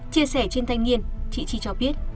chia sẻ trên thanh niên chị tri cho biết